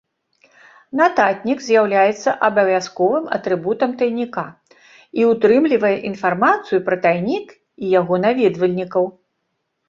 Нататнік з'яўляецца абавязковым атрыбутам тайніка і ўтрымлівае інфармацыю пра тайнік і яго наведвальнікаў.